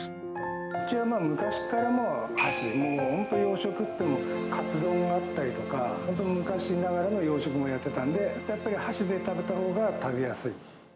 うちは昔っからもう、箸で、本当に洋食っていってもカツ丼があったりとか、本当、昔ながらの洋食もやってたんで、やっぱり箸で食べたほうが食べやすい。